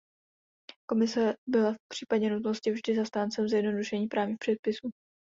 Komise byla v případě nutnosti vždy zastáncem zjednodušení právních předpisů.